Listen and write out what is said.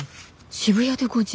「渋谷で５時」。